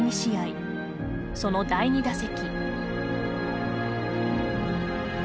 その第２打席。